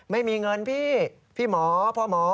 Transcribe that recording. ไม่มีเงินพี่พี่หมอพ่อหมอ